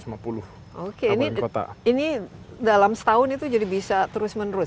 oke ini dalam setahun itu jadi bisa terus menerus